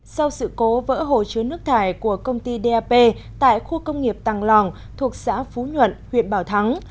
sau sự cố vỡ hồ chứa nước thải của công ty dap tại khu công nghiệp tàng lòng thuộc xã phú nhuận huyện bảo thắng